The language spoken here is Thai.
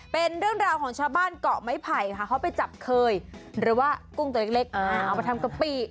เป็นเรื่องราวของชาวบ้านเกาะไม้ไผ่ค่ะเขาไปจับเคยหรือว่ากุ้งตัวเล็กเอามาทำกะปิ